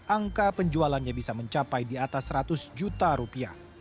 angka penjualannya bisa mencapai di atas seratus juta rupiah